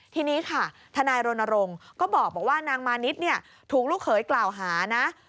ทีนี้ค่ะทนายรณรงค์ก็บอกว่านางมานิดถูกลูกเขยกล่าวหานะ